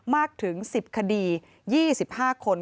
มากถึง๑๐คดี๒๕คน